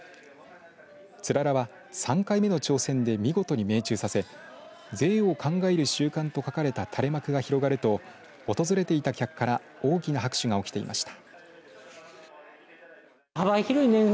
ツララは３回目の挑戦で見事に命中させ税を考える週間と書かれた垂れ幕が広がると訪れていた客から大きな拍手が起きていました。